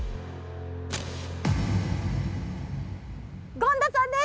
権田さんです！